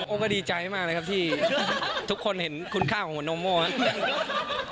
โอ้ก็ดีใจมากเลยครับที่ทุกคนเห็นคุ้นค่าของหัวนมโม้นะ